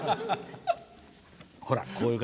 ほら、こういう方。